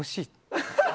ハハハハ！